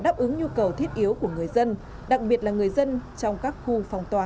đáp ứng nhu cầu thiết yếu của người dân đặc biệt là người dân trong các khu phong tỏa